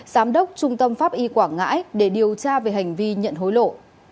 giám đốc trung tâm pháp y quảng ngãi để điều tra về hành vi nhận hối lộ